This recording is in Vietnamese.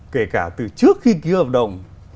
kể cả từ trước khi ký hợp đồng